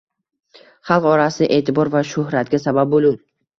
Xalq orasida e’tibor va shuhratga sabab bo’lur